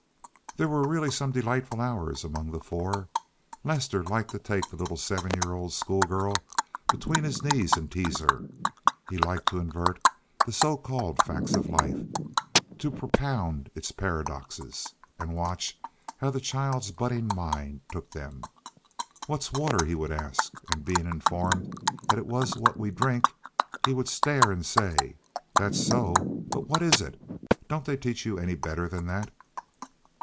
There were really some delightful hours among the four. Lester liked to take the little seven year old school girl between his knees and tease her. He liked to invert the so called facts of life, to propound its paradoxes, and watch how the child's budding mind took them. "What's water?" he would ask; and being informed that it was "what we drink," he would stare and say, "That's so, but what is it? Don't they teach you any better than that?"